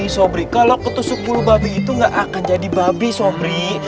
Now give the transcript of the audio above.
sobri kalau ketusuk bulu babi itu gak akan jadi babi sobri